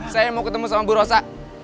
saya mau ketemu sama bu rosa